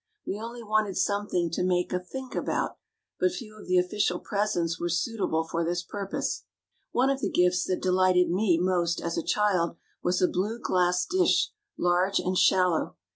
We only wanted something to make a " think " about, but few of the official presents were suitable for this purpose. One of the gifts that de lighted me most as a child was a blue glass dish, large and shallow.